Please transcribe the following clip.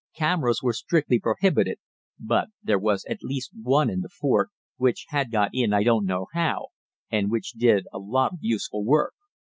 Cameras were strictly prohibited, but there was at least one in the fort, which had got in I don't know how, and which did a lot of useful work.